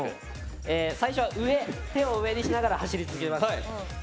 最初は手を上にしながら走り続けます。